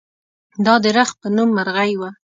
دا د رخ په نوم مرغۍ وه.